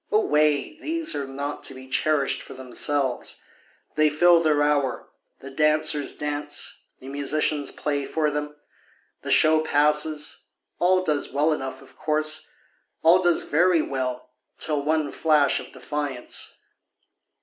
Away! these are not to be cherish'd for themselves, They fill their hour, the dancers dance, the musicians play for them, The show passes, all does well enough of course, All does very well till one flash of defiance.